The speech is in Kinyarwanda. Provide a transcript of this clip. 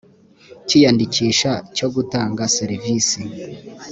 cy iyandikisha cyo gutanga serivisi